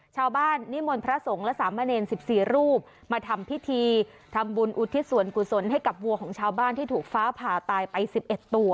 ชาวบ้านนิมนต์พระสงฆ์และสามเณร๑๔รูปมาทำพิธีทำบุญอุทิศส่วนกุศลให้กับวัวของชาวบ้านที่ถูกฟ้าผ่าตายไป๑๑ตัว